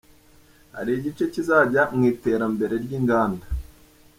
Hari igice kizajya mu iterambere ry’inganda